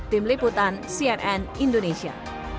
tim liputan cnn indonesia